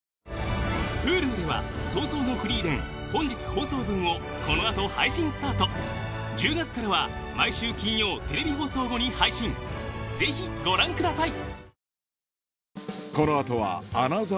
Ｈｕｌｕでは『葬送のフリーレン』本日放送分をこの後配信スタート１０月からは毎週金曜テレビ放送後に配信ぜひご覧ください